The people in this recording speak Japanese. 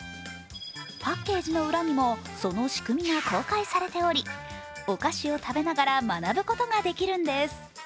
パッケージの裏にも、その仕組みが公開されておりお菓子を食べながら学ぶことができるんです。